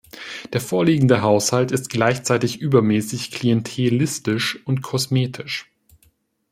Der vorliegende Haushalt ist gleichzeitig übermäßig, klientelistisch und kosmetisch.